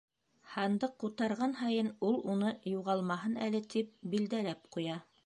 Һандыҡ ҡутарған һайын ул уны, юғалмаһын әле тип, билдәләп ҡуя.